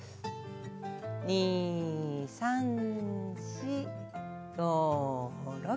２、３、４、５、６。